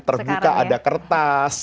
terbuka ada kertas